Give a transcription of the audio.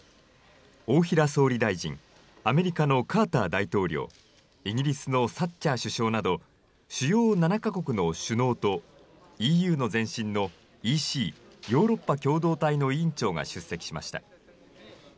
大平総理大臣、アメリカのカーター大統領、イギリスのサッチャー首相など、主要７か国の首脳とＥＵの前身のＥＣ・ヨーロッパ共同体の委員長が出席しました。